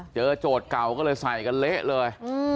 โจทย์เก่าก็เลยใส่กันเละเลย